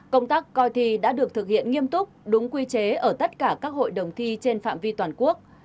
công tác coi thi đã được thực hiện nghiêm túc đúng quy chế ở tất cả các hội đồng thi trên phạm vi toàn quốc